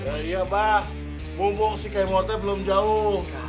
ya iya abah bubuk si kemotnya belum jauh